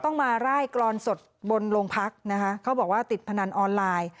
ต้องมาร่ายกรอนสดบนโรงพักนะคะเขาบอกว่าติดพนันออนไลน์